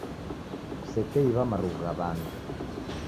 Kusekeiw'a marughu gha w'andu